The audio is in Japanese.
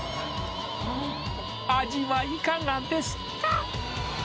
味はいかがですか？